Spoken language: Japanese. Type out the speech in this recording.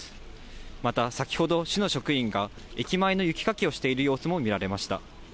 また先ほど、市の職員が駅前の雪かきをしている様子も見られました。